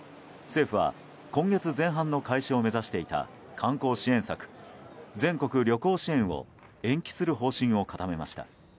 政府は今月前半の開始を目指していた観光支援策、全国旅行支援を延期する方針を固めました。